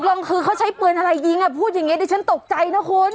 ก็กลับคือเขาใช้ปืนอะไรยิงพูดอย่างนี้เดี๋ยวฉันตกใจนะคุณ